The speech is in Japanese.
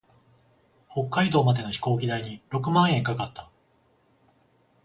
北海道までの飛行機代に六万円かかった。